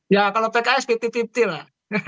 ya kalau pks fit lima puluh lah